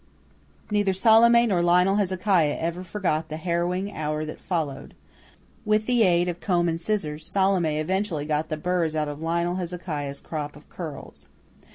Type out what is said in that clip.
Neither Salome nor Lionel Hezekiah ever forgot the harrowing hour that followed. With the aid of comb and scissors, Salome eventually got the burrs out of Lionel Hezekiah's crop of curls.